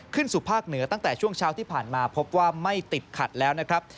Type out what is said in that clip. ขึ้นสู่ภาคเหนือตั้งแต่ช่วงเช้าที่ผ่านมาพบว่าไม่ติดขัดแล้วนะครับ